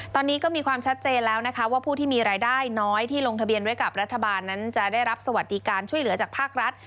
ตอนนี้ก็มีความชัดเจนแล้วนะคะว่าผู้ที่มีรายได้น้อยที่ลงทะเบียนไว้กับรัฐบาลนั้นจะได้รับสวัสดิการช่วยเหลือจากภาครัฐ